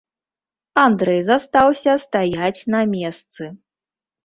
Андрэй застаўся стаяць на месцы.